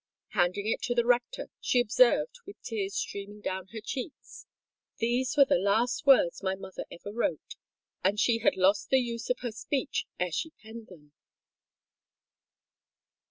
Handing it to the rector, she observed, with tears streaming down her cheeks, "These were the last words my mother ever wrote; and she had lost the use of her speech ere she penned them."